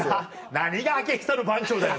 何が開久の番長だよ！